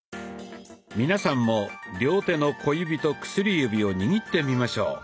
皆さんも両手の小指と薬指を握ってみましょう。